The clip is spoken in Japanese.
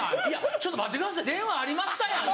「ちょっと待ってください電話ありましたやん」。